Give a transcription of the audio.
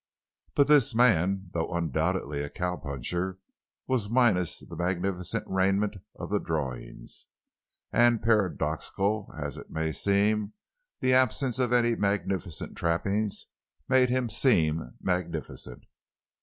But this man, though undoubtedly a cow puncher, was minus the magnificent raiment of the drawings. And, paradoxical as it may seem, the absence of any magnificent trappings made him seem magnificent.